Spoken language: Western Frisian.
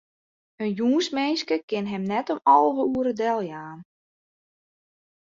In jûnsminske kin him net om alve oere deljaan.